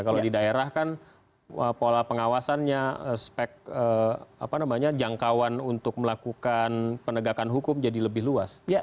kalau di daerah kan pola pengawasannya spek jangkauan untuk melakukan penegakan hukum jadi lebih luas